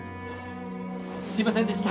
すいませんでした。